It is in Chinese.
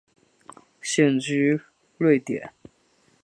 现居瑞典。